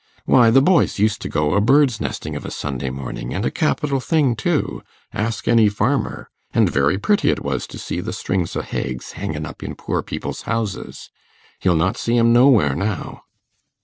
Why, the boys used to go a birds nesting of a Sunday morning; and a capital thing too ask any farmer; and very pretty it was to see the strings o' heggs hanging up in poor people's houses. You'll not see 'em nowhere now.